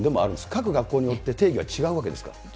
各学校によって定義が違うわけですか。